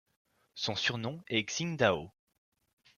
Son surnom est Xingdao.